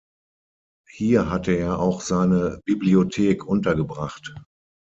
Hier hatte er auch seine Bibliothek untergebracht.